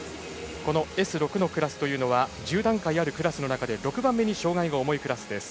Ｓ６のクラスは１０段階あるクラスの中で６番目に障がいが重いクラスです。